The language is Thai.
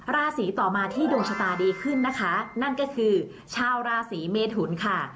ราศีต่อมาที่ดวงชะตาดีขึ้นนะคะนั่นก็คือชาวราศีเมทุนค่ะ